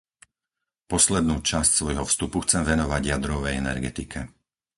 Poslednú časť svojho vstupu chcem venovať jadrovej energetike.